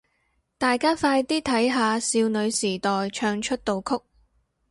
大家快啲睇下少女時代唱出道曲